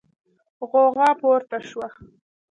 غوغا پورته شوه.